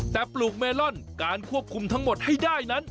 แต่ปลูกเมลอนการควบคุมทั้งหมดให้ได้นั้น